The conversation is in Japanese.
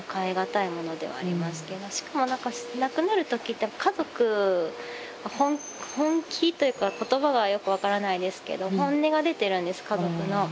しかもなんか亡くなるときって家族の本気というか言葉がよく分からないですけど本音が出てるんです家族の。